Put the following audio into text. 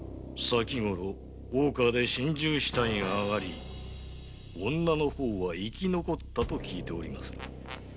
先ごろ大川で心中死体があがり女の方は生き残ったと聞いております。